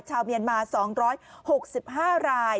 ชาวเมียนมา๒๖๕ราย